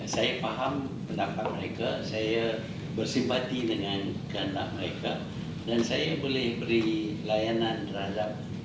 saya paham pendapat mereka saya bersimpati dengan keanak mereka dan saya boleh beri layanan terhadap